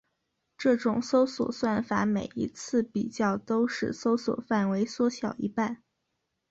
这种搜索算法每一次比较都使搜索范围缩小一半。